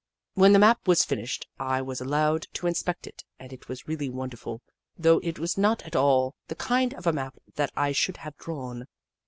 When the map was finished, I was allowed to inspect it, and it was really wonderful, though it was not at all the kind of a map that I should have drawn.